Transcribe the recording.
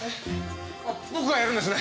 僕がやるんですね？